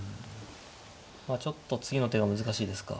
まあちょっと次の手が難しいですか。